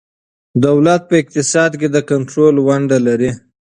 دولت په اقتصاد کې د کنترول رول لري.